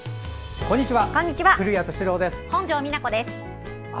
こんにちは。